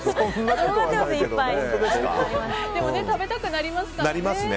でも食べたくなりますもんね。